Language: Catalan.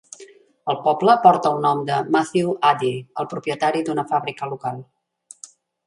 El poble porta el nom de Matthew Addy, el propietari d'una fàbrica local.